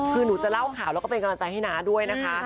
คือหนูจะเล่าข่าวแล้วก็เป็นกำลังใจให้น้าด้วยนะคะ